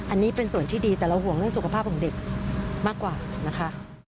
อันนี้เป็นส่วนที่ดีแต่เราห่วงเรื่องสุขภาพของเด็กมากกว่านะคะ